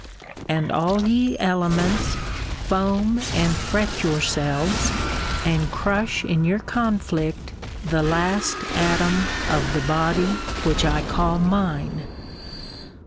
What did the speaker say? — and all ye elements, foam and fret yourselves, and crush in your conflict the last atom of the body which I call mine!